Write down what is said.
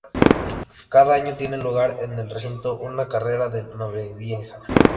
Cada año tiene lugar en el recinto una carrera de Nochevieja.